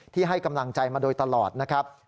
ให้กำลังใจมาโดยตลอดนะครับ